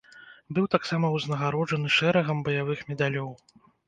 Быў таксама узнагароджаны шэрагам баявых медалёў.